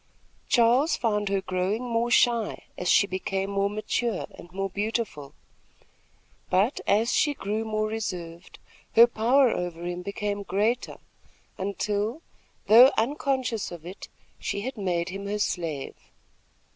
Charles found her growing more shy, as she became more mature and more beautiful; but as she grew more reserved, her power over him became greater, until, though unconscious of it, she had made him her slave.